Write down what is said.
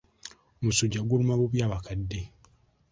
Omusujja guluma bubi abakadde.